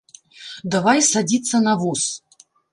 Давай садзіцца на воз.